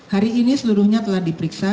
hari ini seluruhnya telah diperiksa